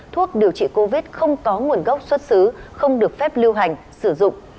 thuốc điều trị covid không có nguồn gốc xuất xứ không được phép lưu hành sử dụng